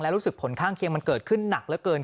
รู้สึกผลข้างเคียงมันเกิดขึ้นหนักเหลือเกิน